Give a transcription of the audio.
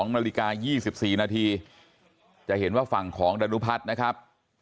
๒นาฬิกา๒๔นาทีจะเห็นว่าฝั่งของดารุพัฒน์นะครับ